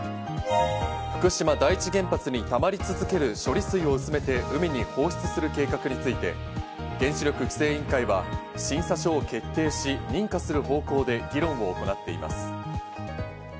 福島第一原発にたまり続ける処理水を薄めて海に放出する計画について、原子力規制委員会は審査書を決定し、認可する方向で議論を行っています。